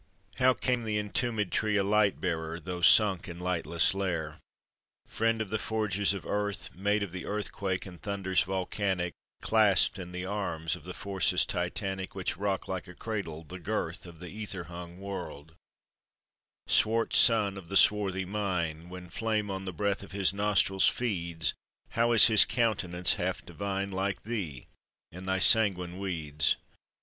How came the entombèd tree a light bearer, Though sunk in lightless lair? Friend of the forgers of earth, Mate of the earthquake and thunders volcanic, Clasped in the arms of the forces Titanic Which rock like a cradle the girth Of the ether hung world; Swart son of the swarthy mine, When flame on the breath of his nostrils feeds How is his countenance half divine, Like thee in thy sanguine weeds?